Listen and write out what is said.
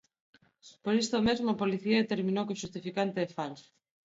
Por isto mesmo, a Policía determinou que o xustificante é falso.